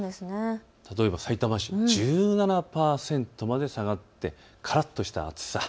さいたま市、１７％まで下がってからっとした暑さ。